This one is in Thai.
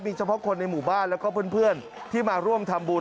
เฉพาะคนในหมู่บ้านแล้วก็เพื่อนที่มาร่วมทำบุญ